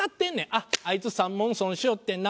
あっあいつ３文損しよってんな。